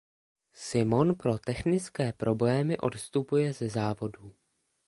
Simon pro technické problémy odstupuje ze závodu.